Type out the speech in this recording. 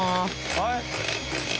はい。